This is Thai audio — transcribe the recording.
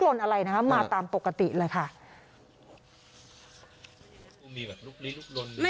เหมือนคนนี่อะก็มาหาเพื่อนเขา